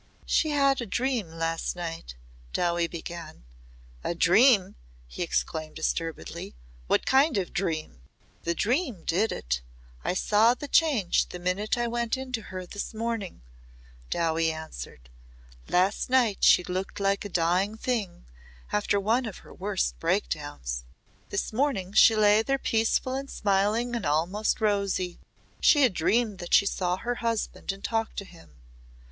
"She had a dream last night," Dowie began. "A dream!" he exclaimed disturbedly. "What kind of dream?" "The dream did it. I saw the change the minute I went to her this morning," Dowie answered. "Last night she looked like a dying thing after one of her worst breakdowns. This morning she lay there peaceful and smiling and almost rosy. She had dreamed that she saw her husband and talked to him.